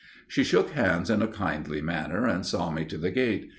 She shook hands in a kindly manner and saw me to the gate.